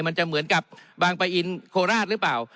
มันจะเหมือนกับบางปะอินโคราชหรือเปล่า